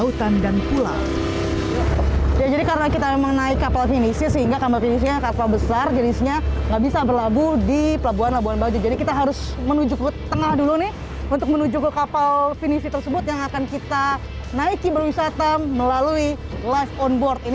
kota terkenal di indonesia adalah kota yang terkenal di indonesia